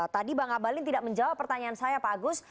tadi bang abalin tidak menjawab pertanyaan saya pak agus